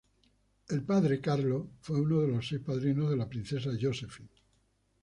El padre, Carlo, fue uno de los seis padrinos de la Princesa Josephine.